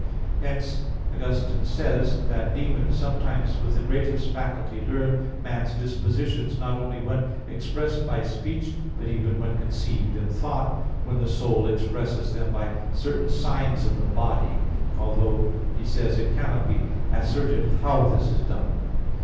Hence Augustine says (De divin. daemon.) that demons "sometimes with the greatest faculty learn man's dispositions, not only when expressed by speech, but even when conceived in thought, when the soul expresses them by certain signs in the body"; although (Retract. ii, 30) he says "it cannot be asserted how this is done."